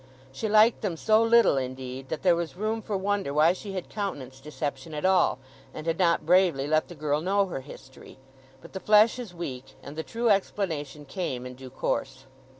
She liked them so little, indeed, that there was room for wonder why she had countenanced deception at all, and had not bravely let the girl know her history. But the flesh is weak; and the true explanation came in due course.